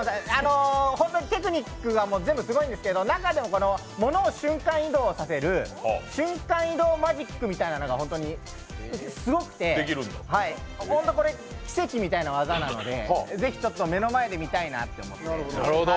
本当にテクニックが全部すごいんですけど中でも、物を瞬間移動させる瞬間移動マジックが本当にすごくて、これ、奇跡みたいな技なので是非、目の前で見たいなと思って。